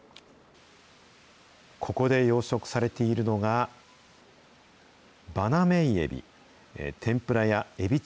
ここで養殖されているのが、バナメイエビ。